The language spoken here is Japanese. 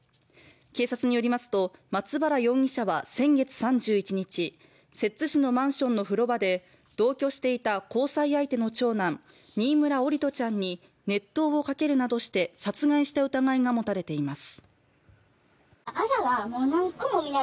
警察によりますと、松原容疑者は先月３１日、摂津市のマンションの風呂場で同居していた交際相手の長男、新村桜利斗ちゃんに熱湯をかけるなどして殺害した疑いが持たれています。